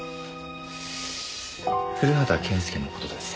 古畑健介の事です。